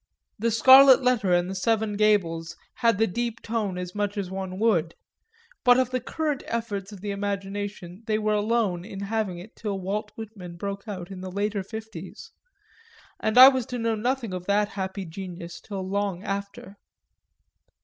The Scarlet Letter and The Seven Gables had the deep tone as much as one would; but of the current efforts of the imagination they were alone in having it till Walt Whitman broke out in the later fifties and I was to know nothing of that happy genius till long after.